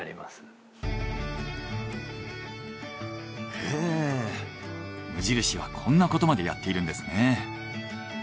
へぇ無印はこんなことまでやっているんですね。